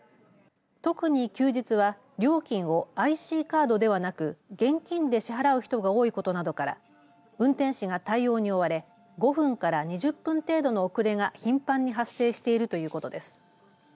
特に休日は料金をＩＣカードではなく現金で支払う人が多いことなどから運転士が対応に追われ５分から２０分程度の遅れが頻繁に発生しているということです。